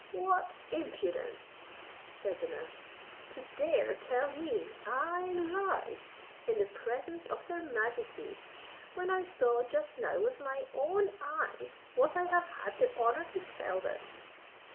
"What impudence," said the nurse, "to dare tell me I lie in the presence of their majesties, when I saw just now with my own eyes what I have had the honour to tell them."